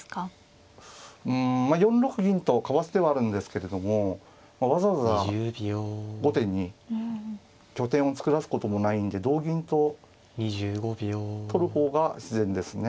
うんまあ４六銀とかわす手はあるんですけれどもわざわざ後手に拠点を作らすこともないんで同銀と取る方が自然ですね。